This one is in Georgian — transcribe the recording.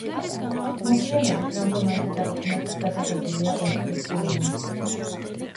მოგვიანებით ამ რომანზე დაყრდნობით გადაღებულია ოთხი ფილმი.